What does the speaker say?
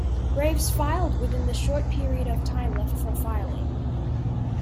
Graves filed within the short period of time left for filing.